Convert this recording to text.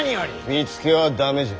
見附は駄目じゃ。